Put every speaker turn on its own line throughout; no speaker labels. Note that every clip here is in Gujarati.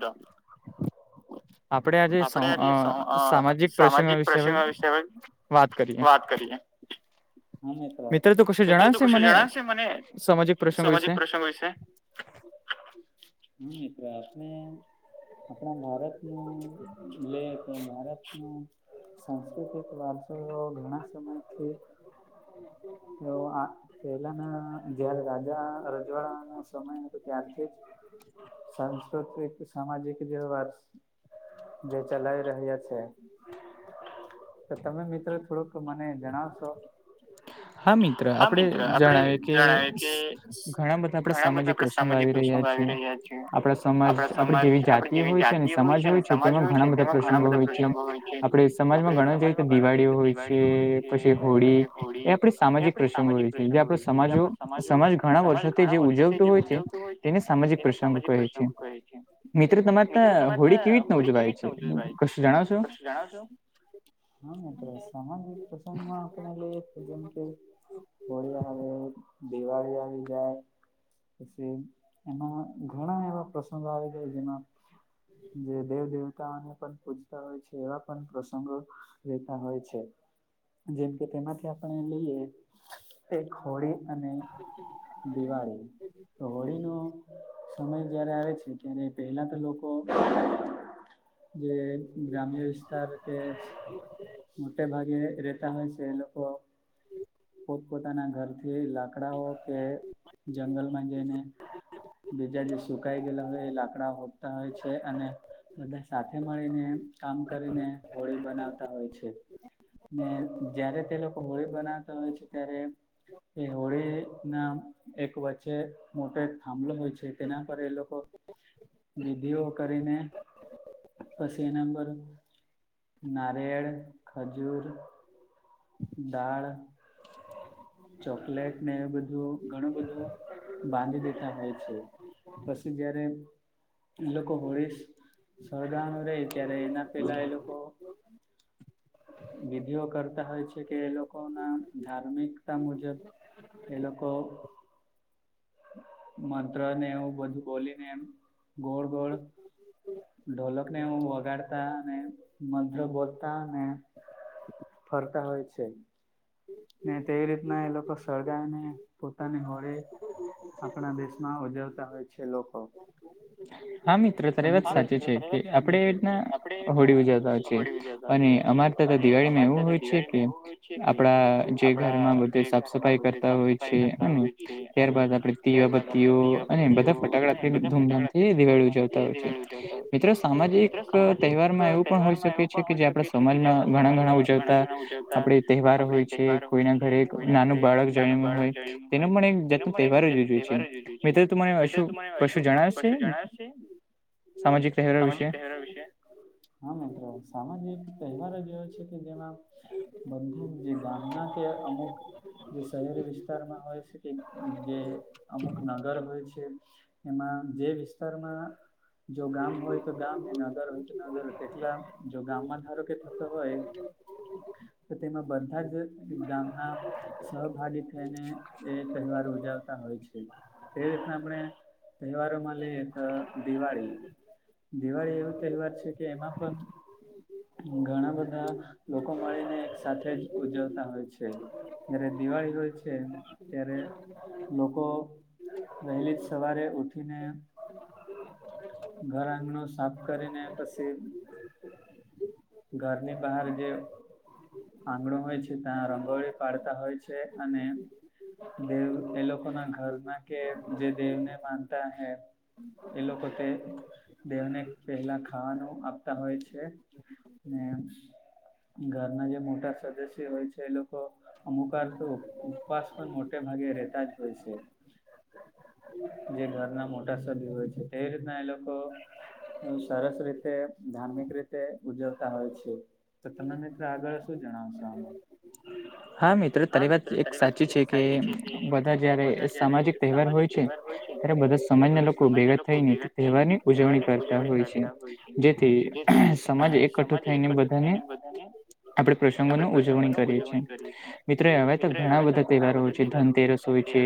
રામ
[inaudible]
આપડે આવી સઅં સામાજિક પ્રસ્ણ વિશે હવે વાત કરીએ. [unintelligible] કશુ જણાશે મને સામાજિક પ્રસં વિશે. [unintelligible] આપણા ભારત [unintelligible] ભારત નું સાંસ્કૃતિક વાર તો ઘણા સમયથી જો આ પેલાના જયારે રાજા રજવાડાનો સમય તો ત્યારથી જ સાંસ્કૃતિક સામાજિક જે વાજ જે ચલાવી રહ્યા છે. તો તમે મિ ત્ર થોડુંક મને જણાવશો.
હા મિત્ર આપડે જણાવીએ કે ઘણા બધા આપડા સામાજિક પ્રસંગો આવી રહ્યા છે. આપડા સમાજ આપડી જેવી જાતિ હોય છે ને સમાજ હોય છે તેમાં ઘણા બધા પ્રસંગો હોય છે. આ પડે સમાજમાં ગણાય જાએ તો દિવાળીઓ હોય છે પછી હોળી એ આપડી સામાજિક પ્રસંગો હોય છે જે આપ સમાજો સમાજ ઘણા વર્ષોથી જે ઉજવતો હોય છે. તેને સામાજિક પ્રસંગો કહે છે. મિત્રો તમારે ત્યાં હોળી કેવી રીતના ઉજવાય છે કશું જણાવસો?
હા મિત્રો સામાજિક પ્રસંગમાં આપણે લઈએ જેમ કે હોળી આવે દિવાળી આવી જાય. પછી એમાં ઘણા એવા પ્રસંગો આવી જાય જેમાં જે દેવ-દેવતાને પણ પૂછ તા હોય છે એવા પણ પ્રસંગો લેતા હોય છે. જેમ કે તેમાંથી આપણે લઈએ એક હોળી અને દિવાળી. તો હોળીનો સમય જયારે આવે છે ત્યારે પેલા તો લોકો જે ગ્રામ્ય વિસ્તાર કે મોટે ભાગે રેતા હોય છે એ લોકો પોત-પોતાના ઘરથી લાકડાઓ કે જંગલમાં જઈને બીજા જે સુકાઈ ગયેલા હોય એ લાકડા હોત્તા હોય છે અને બધા સાથે મળીને કામ કરીને હોળી બનાવતા હોય છે. ને જયારે તે લોકો હોળી બનાવતા હોય છે ત્યારે તે હોળી ના એક વચ્ચે મોટો થાંભલો હોય છે, તેના પર એ લોકો વિધિઓ કરીને પશી એના પર નાારિયેળ, ખજૂર દાળ ચોકલેટને એ બધું ઘણું બધું બાંધી દેતા હોય છે. પશી જયારે એ લોકો હોળીસ સળગાવાનું રે ત્યારે એના પેલા એ લોકો વિધિઓ કરતા હોય છે કે એ લોકોના ધાર્મિક તા મુજબ એ લોકો મંત્ર ને એવું બધું બોલીને એમ ગોળ-ગોળ, ઢોલક ને એવું વગાડતા ને મંત્ર બોલતા ને ફરતા હોય છે.
[inaudible]
ને તે રીતના એ લોકો સળગાવીને પોતાની હોળી આપણા દેશમાં ઉજવતા હોય છે લોકો. તો મિત્ર. [unintelligible] આપડે રીતના હોળી ઉજ હોય છે અને અમારે તા તો દિવાળીમાં એવું હોય છે કે આપડા જે ઘરમાં બધે સાફ સફાઈ કરતા હોય છે અને ત્યારબાદ આપણે પીઓ [unintelligible] અને બધા ફટાકડા [unintelligible] ધૂમધામથી દિવાળી ઉજવતા હોય છે. મિત્રો સામાજિક તહેવારમાં એવું પણ હોય શકે કે જે આપણા સમાજમાં ઘણા ઘણા ઉજવતા આપડે તહેવારો હોય છે, કોઈના ઘરે નાનું બાળક જણું હોય તેનો પણ એક ત તહેવાર જ જો છે. મિત્રો તમારે અશુ કશું જણાય છે? સામાજિક [unintelligible] [unintelligible] હા, મિત્રો સામાજિક તહેવારો જેવો છે કે જેમાં બધું, જે ગામના કે અમુક જે શહેરી વિસ્તારમાં હોય છે કે જે અમુક નગર હોય છે એમાં જે વિસ્તારમાં જો ગામ હોય તો ગામ એ નગર હોય તો નગરો, કેટલા જો ગામમાં ધારો કે થતો હોય તો તેમાં બધા જ ગામના સહભાગી થઈને એ તહેવાર ઉજવ તા હોય છે, તે રીતના આપણે તહેવારોમાં લઈએ તો દિવાળી દિવાળી એવું તહેવાર છે કે એમાં પણ ઘણા બધા લોકો મળીને એક સાથે જ ઉજવ તા હોય છે. જયારે દિવાળી હોય છે, ત્યારે લોકો વહેલી જ સવારે ઉઠીને ઘર આંગણુ સાપ કરીને પસી ઘરની બહાર જે આંગણું હોય છે, તાં રંગોળી પાડતા હોય છે અને દેવ એ લોકો ના ઘર ના કે, જે દેવને માનતા હૈ એ લોકો તે દેવને પહેલા ખાવાનું આપતા હોય છે. ને ઘરના જે મોટા સદસ્ય હોય છે, એ લો તો અમુક વાર તો ઉપવાસ પન મોટે ભાગે રેતા જ હોય છે.
[inaudible]
જે ઘરના મોટા સભ્યો હોય છે, તે રીતના એ લોકો હં સરસ રીતે, ધાર્મિક રીતે ઉજવતા હોય છે. તો તમે મિત્ર આગળ શું જણાવશો આમા?
હા મિત્ર, તારી વાત એક સાચી છે કે બધા જયારે સામાજિક તહેવાર હોય છે. ત્યારે બધા સમયના લોકો ભેગા થઈને, તહેવાર ની ઉજવણી કરતા હોય છે. જેથી સમાજ એકઅઠો થઈને બધાને આપડણેે પ્રસંગોનો ઉજવણી કરીએ છીએ. મિત્ર હવે તો ઘણા બધા તહેવારો હોય છે, ધનતેરસ હોય છે,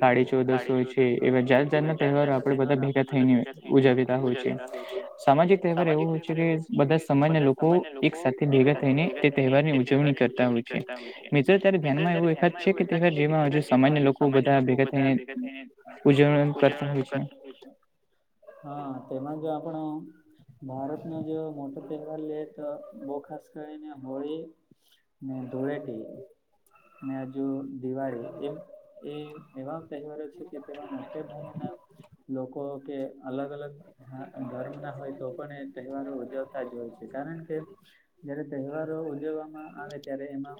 કાળી ચૌદસ હોય છ. એ એવા જાત જાતના તહેવારો આપડણેે બધા ભેગા થઈને ઉજવીતા હોય છે. સામાજિક તહેવાર એવો હોય છે કે, બધા સમાજના લોકો એક સાથે ભેગા થઈને તે તહેવારની ઉ જવણી કરતા હોય છે.
તા હોય છે. મિત્ર ત્યારે ધ્યાનમા એવુ એકાદ છે કે, તેના જેવા આજે સમાજના લોકો બધા ભેગા થઈને પૂજવણા કરતુ ઓય છે.
હ
હ, તેમાં જો આપણો ભારતનો જો મોટો તહેવાર લીયે તો, બો ખાસ કરીને હોળી ને ધૂળેટી ને અજુ દિવાળી એપ એ એવા તેહેવારો છે કે, તેમા મોટે ભાગેના લોકો કે અલગ અલગ ધા ધર્મ ના હોય તો પણ એ તહેવારો ઉજવતા જ હોય છે કારણ કે, જયારે તેહેવારો ઉજવવામા આવે, ત્યારે એમા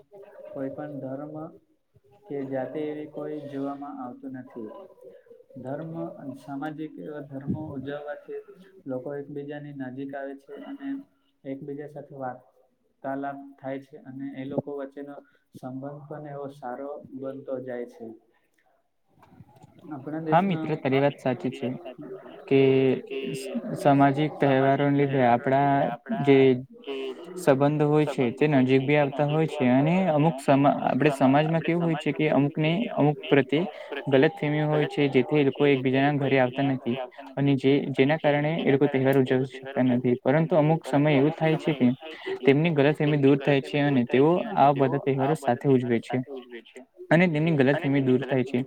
કોઈ પણ ધરમા કે જાતિ એવી કોઈ જોવામા આવતુ નથી. ધર્મમા અન સામાજિક એવા ધર્મો ઉજવવાથી લોકો એકબીજાની નજીક આવે છે અને એકબીજા સાથે વાત તાલાપ થાય છે અને એ લોકો વચ્ચેનો સંબંધ પણ એવો સારો બનતો જાય છે.
હ હા મિત્ર, તારી વાત સાચી છે, કે સામાજિક તહેવારોન લીધે આપડા જે સંબંધો હોય છે. તે નજીક બી આવતા હોય છે અને અમુક સમા આપડણે સમાજમાં કેવું હોય છે કે, અમુ કને અમુક પ્રતિ ગલ ત્ફેમી હોય છે, જેથી લોકો એકબીજાના ઘરે આવતા નથી અને જે જેના કારણે એ લોકો તહેવાર ઉજવ કઈ નથી પરંતુ અમુક સમય એવુ થાય છે કે, તેમની ગલતફેએેમી દૂર થાય છે અને તેઓ આ બધા તહેવારો સાથે ઉજવે છે અને તેમની ગલતફેમી દૂર થાય છે.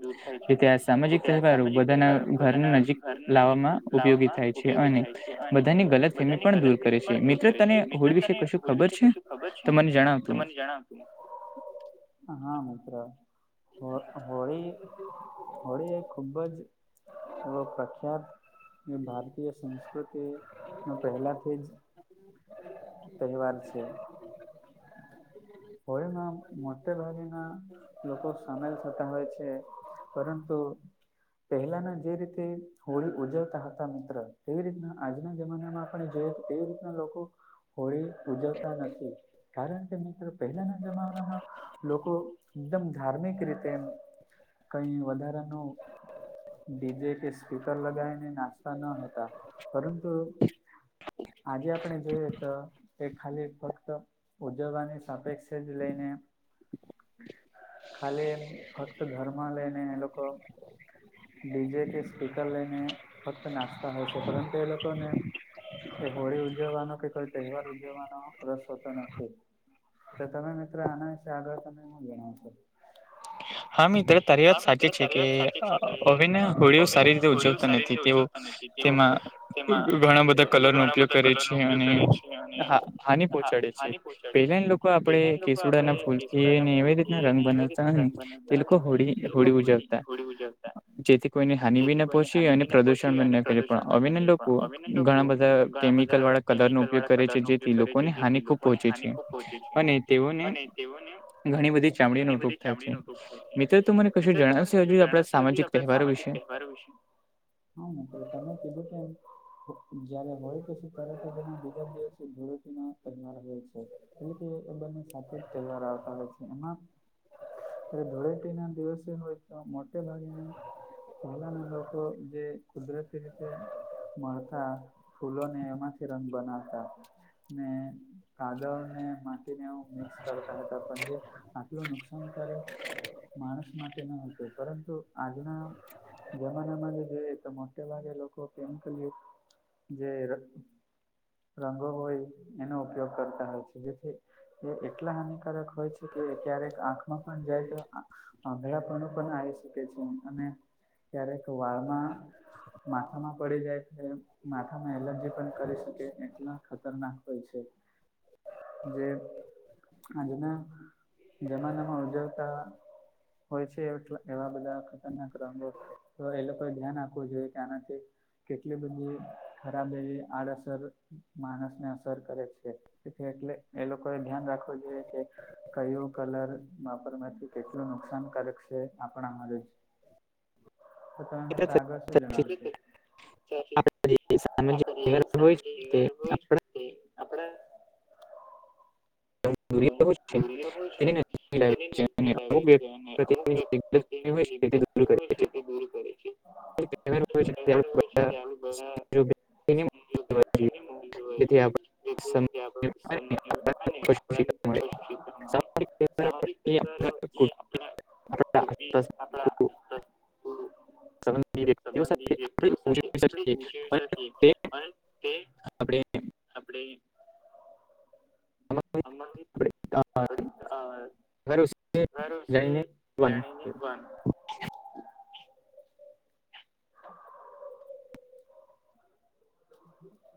જે તે આ સામાજિક તહેવારો બધાના ઘર નજીક લાવામાં ઉપયોગી થાય. છે અને બધાની ગલત ફેમી પણ દૂર કરે છે મિત્રો તને હોળી વિષે કશું ખબર છે. તો મને જણાવ તું
[inaudible] હા મિત્ર-હો- હોળી ખુબ જ - એવો પ્રખ્યાત ને ભારતીય સંસ્કૃતિ ને પહેલા થી જ
હમ [inaudible]
પરિવાર છે. પ ના મત ભાગિ ના [inaudible] લોકો સામેલ થતા હોય છે પરંતુ, પહેલાના જે રીતે હોળી ઉજવતા હતા મિત્ર તેવી રીતના આજના જમાનામાં પણ જે એ રીતના લોકો હોળી ઉજવતા નથી કારણ કે મિત્રો પહેલાના જમાનામાં લોકો એકદમ ધાર્મિક રીતે કંઈ વધારાનો ડીજે કે સ્પીકર લગાવીને નાચતા ન હતા પરંતુ, આજે આપણે જોઈએ તો એ ખાલી એક ફક્ત ઉજવાની છે. અપેકસજ લઈને. ખાલી એક ફક્ત ઘરમાં લઈને એ લોકો ડીજે કે સ્પીકર લઈને ફક્ત નાચતા હોય છે પરંતુ એ લોકોને એ હોળી ઉજવાનો કે કોઈ તહેવાર ઉજવાનો રસ હોતો નથી. તો તમે મિત્રો આના વિશે આગળ તમે હું જણાવ છો?
હા મિત્રો તારી વાત સાચી છે કે અ હવે ન હોળીઓ સારી રીતે ઉજવતા નથી તેવું તેમાં ઘણા બધા કલર નો ઉપયોગ કરે છે અને હા હાનિ પહોંચાડે છે. છે પેલા ના લોકો આપણે ના કેસુડાના ફૂલ થીને એવી રીતના રંગ બનાવતા હતા ને તે લોકો હોળી હોળી ઉજવતા જેથી કોઈને હાનિ ભી ના પહોંચી અને પ્રદુષણ ના કરે પણ હવે ના લોકો ઘણા બધા કેમિકલ વાળા કલર નો ઉપયોગ કરે છે જેથી લોકોને હાની ખૂબ પહોંચે છે અને તેઓને ઘણી બધી ચામડીનો ઉપયોગ થાય છે. મિત્ર તો મને કશું જણાવશે આપણા સામાજિક તહેવારો વિષે
તહેવાર વિષે -હા મે તમે કિધું ‌છે એમ જયારે હોય પછી ત્યારે તેના બીજા દિવસે ધટી ના કહેર હોય છે એટલે કે એ બંને સાથે જ તહેવાર આવતા હોય છે એમાં એ ધુળેટી ના દિવસે હોય તો મોટે ભાગેના પહેલાના લોકો જે કુદરતી રીતે મળતા ફૂલોને એમાંથી રંગ બનાવતા ને કાદવ ને માટીને એવું મિક્સ કરતા હતા પણ જો આટલો નુકસાન કરે માણસ માટે ન હતું પરંતુ આજના જમાનામાં જે જોઈએ તો મોટે ભાગે લોકો કેમિકલ યુકત જે રં- રંગો હોય એનો ઉપયોગ કરતા હોય છે જેથી એ એટલા હાનિકારક હોય છે કે ક્યારેક આંખમાં પણ જાય તો આંખ આંધળપણું પણ આવી શકે છે અને ક્યારેક વાળમાં માથામાં પડી જાય માથામાં એલર્જી પણ કરી શકે એટલા ખતરનાક હોય છે. જે આજના જમાનામાં ઉજવતા હોય છે એટલા, એવા બધા ખતરનાક રંગો તો એ લોકોએ ધ્યાન રાખવું જોઈએ કે આનાથી કેટલી બધી ખરાબ એવી આડઅસર માણસને અસર કરે છે. એટલે એ લોકોએ ધ્યાન રાખવો જોઈએ કે કયો કલર વાપરવાથી કેટલું નુકસાનકારક છે આપણા માટેજ તો તને આગળ શું જણાવ [unintelligible] આપ જે સામાજિક વ્યવહાર હોય કે આપડા અમુક દોરિયા હોય છે તેને નક્કી લાવે છે અને અમુક વ્યક્તિ. તેની જે વ્યક્તિ હોય છે તે દૂર કરે છે. અગર હોય છે તે આવા બધા. [unintelligible] [unintelligible] સામાજિક વ્યવહારો [unintelligible] આપડા [unintelligible] આપણા.
[inaudible] શી [unintelligible] એ આપડે.
આપડે
[unintelligible]
[unintelligible] આપડે ઘર ઉસકે જાણી [unintelligible] [inaudible] અં [inaudible]